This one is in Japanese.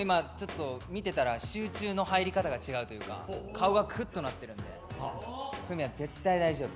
見てたら、集中の入り方が違うというか顔がくっとなってるんで、文哉、絶対大丈夫。